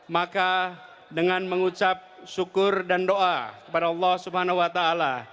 maka dengan mengucap syukur dan doa kepada allah subhanahu wa ta'ala